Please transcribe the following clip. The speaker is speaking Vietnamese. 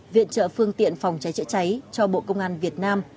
viện trợ phương tiện phòng cháy chữa cháy cho bộ công an việt nam